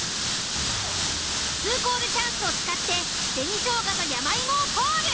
２コールチャンスを使って紅しょうがと山芋をコール。